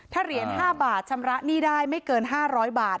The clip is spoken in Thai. ถ้าเหรียญ๕บาทชำระหนี้ได้ไม่เกิน๕๐๐บาท